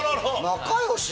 仲良しね。